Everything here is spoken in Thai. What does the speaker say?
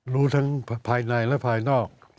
รู้ทั้งภายในและภายนอก